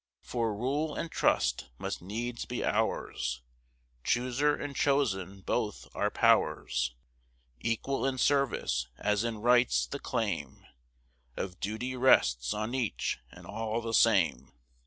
For rule and trust must needs be ours; Chooser and chosen both are powers Equal in service as in rights; the claim Of Duty rests on each and all the same.